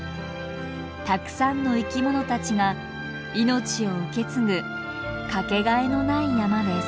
たくさんの生きものたちが命を受け継ぐ掛けがえのない山です。